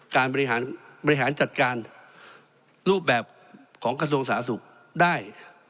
การบริหารจัดการรูปแบบของกระทรวงสาธารณสุขได้